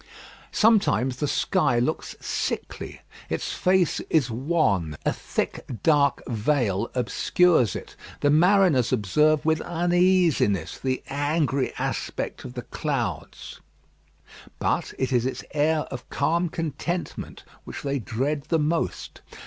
Sometimes the sky looks sickly. Its face is wan. A thick dark veil obscures it. The mariners observe with uneasiness the angry aspect of the clouds. But it is its air of calm contentment which they dread the most.